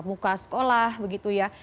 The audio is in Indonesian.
ada banyak yang diperoleh sekolah begitu ya